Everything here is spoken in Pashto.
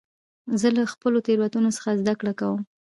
زه له خپلو تېروتنو څخه زدهکړه کوم.